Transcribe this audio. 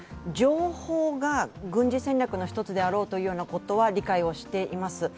情報が軍事戦略の一つであろうということは理解しています。